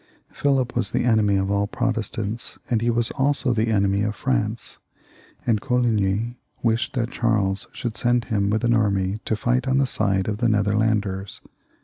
PhiKp was the enemy of all Protestants, and he was also the enemy of France ; and Coligny wished that Charles should send him with an army to fight on the side of the Nether landers.